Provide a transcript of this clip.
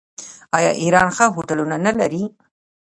آیا ایران ښه هوټلونه نلري؟